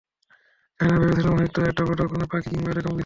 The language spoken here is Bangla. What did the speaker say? জানি না, ভেবেছিলাম হয়তো এটা বড় কোন পাখি কিংবা এরকম কিছু হবে!